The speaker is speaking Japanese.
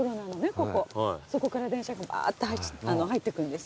ここそこから電車がわーって入ってくるんですよ。